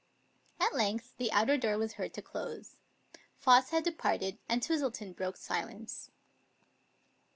At length the outer door was heard to close; Foss had departed, and Twistleton broke silence.